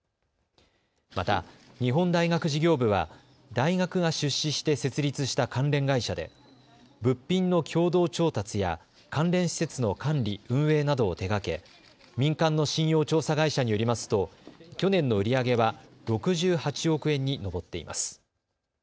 また、日本大学事業部は大学が出資して設立した関連会社で物品の共同調達や関連施設の管理・運営などを手がけ民間の信用調査会社によりますと去年の売り上げは６８億円に上っています。